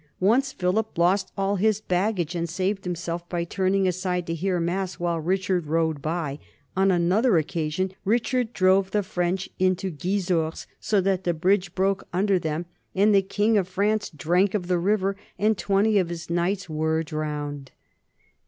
Once Philip lost all his baggage and saved himself by turning aside to hear mass while Richard rode by; on another occasion Richard drove the French into Gisors so that the bridge broke under them "and the king of France drank of the river, and twenty of his knights were drowned."